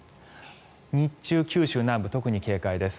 日中、九州南部特に警戒です。